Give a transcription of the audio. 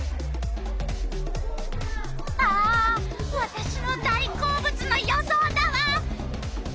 あわたしの大好物の予想だわ。